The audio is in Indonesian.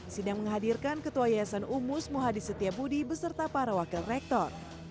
sidang menghadirkan ketua yayasan umus muhadi setiabudi beserta para wakil rektor